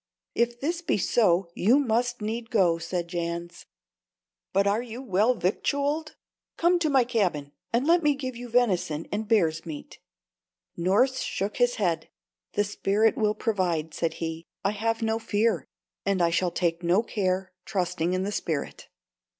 '" "If this be so, you must need go," said Jans. "But are you well victualled? Come to my cabin, and let me give you venison and bear's meat." Norss shook his head. "The spirit will provide," said he. "I have no fear, and I shall take no care, trusting in the spirit."